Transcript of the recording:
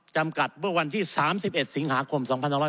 จำกัดเมื่อวันที่๓๑สิงหาคม๒๕๖๒